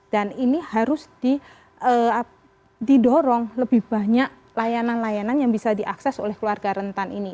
dan ini harus didorong lebih banyak layanan layanan yang bisa diakses oleh keluarga rentan ini